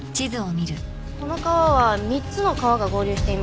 この川は３つの川が合流しています。